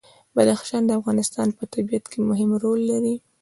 بدخشان د افغانستان په طبیعت کې مهم رول لري.